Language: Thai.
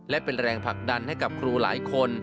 และเป็นแรงผลักดันให้กับครูหลายคน